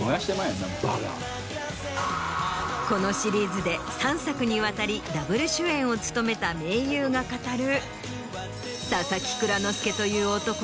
このシリーズで３作にわたりＷ主演を務めた盟友が語る。